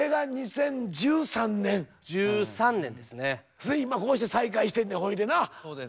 それで今こうして再開してんねんほいでな。